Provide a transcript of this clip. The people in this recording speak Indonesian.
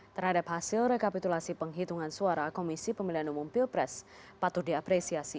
terhadap hasil rekapitulasi penghitungan suara komisi pemilihan umum pilpres patut diapresiasi